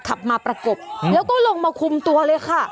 ขับมาประกบแล้วก็ลงมาคุมตัวเลยค่ะ